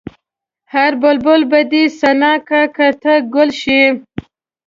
هر بلبل به دې ثنا کا که ته ګل شې.